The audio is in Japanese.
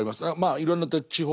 いろんな地方